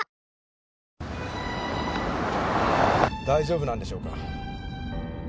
大丈夫なんでしょうか？